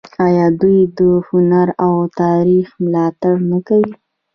آیا دوی د هنر او تاریخ ملاتړ نه کوي؟